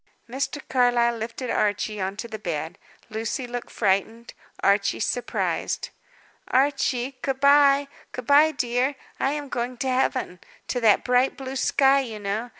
Mr. Carlyle lifted Archie on to the bed. Lucy looked frightened, Archie surprised. "Archie, good bye; good bye, dear, I am going to Heaven; to that bright, blue sky, you know.